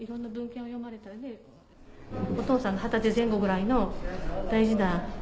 お父さんの二十歳前後ぐらいの大事な。